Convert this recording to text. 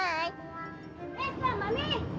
eh selamat mami